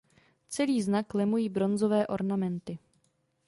Celý znak lemují bronzové ornamenty.